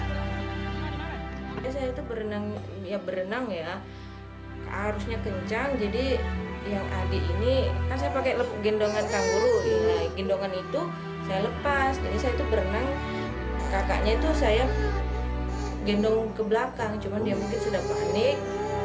kakaknya itu saya gendong ke belakang cuman dia mungkin sudah panik